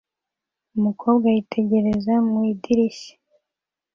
Umukobwa yitegereza mu idirishya